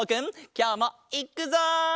きょうもいっくぞ！